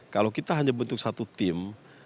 kalau kita hanya bentuk satu tim